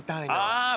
ああ！